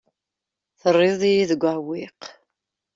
Terriḍ-iyi deg uɛewwiq.